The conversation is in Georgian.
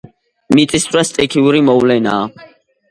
მიწისძვრა სტიქიური მოვლენაა